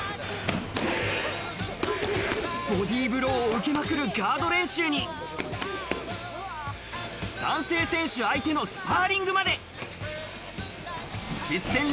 ボディブローを受けまくるガード練習に、男性選手相手のスパーリングまで。